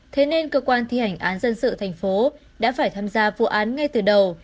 thế nên cơ quan thi hành án dân sự thành phố đã phải tham gia vụ án ngay từ đầu